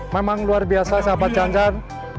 memang luar biasa sahabat ganjar